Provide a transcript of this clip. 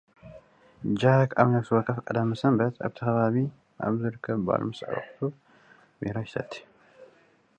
ጃክ፡ ኣብ ነፍስወከፍ ቀዳመ-ሰንበት ኣብቲ ከባቢ ኣብ ዝርከብ ባር ምስ ኣዕሩኽቱ ቢራ ይሰቲ።